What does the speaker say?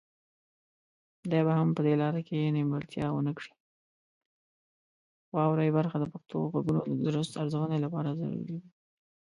واورئ برخه د پښتو غږونو د درست ارزونې لپاره ضروري ده.